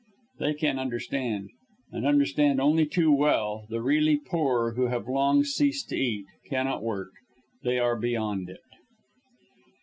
They can understand and understand only too well the really poor who have long ceased to eat, cannot work they are beyond it.